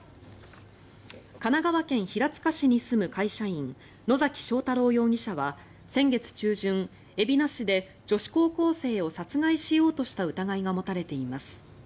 神奈川県平塚市に住む会社員野嵜彰太朗容疑者は先月中旬海老名市で女子高校生を殺害しようとした疑いが持たれています。